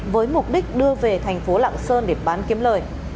với mục đích đưa về thành phố lạng sơn để bán kiếm lời